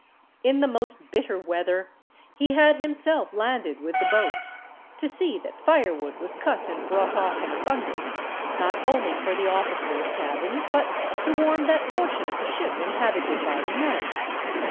In the most bitter weather, he had himself landed with the boats, to see that firewood was cut and brought off in abundance, not only for the officers' cabins, but to warm that portion of the ship inhabited by the men.